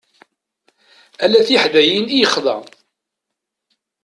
Ala tiḥdayin i yexḍa.